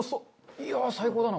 いやあ最高だな！